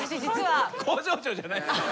工場長じゃない。